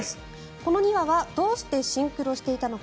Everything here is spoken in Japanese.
この２羽はどうしてシンクロしていたのか。